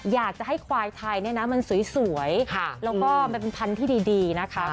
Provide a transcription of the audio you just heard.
อยากจะให้ควายไทยเนี่ยนะมันสวยแล้วก็มันเป็นพันธุ์ที่ดีนะคะ